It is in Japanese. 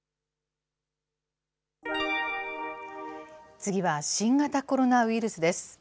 次は新型コロナウイルスです。